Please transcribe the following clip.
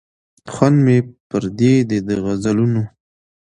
خوند مي پردی دی د غزلونو